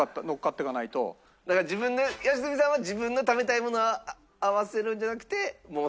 だから良純さんは自分の食べたいものを合わせるんじゃなくてもう人に。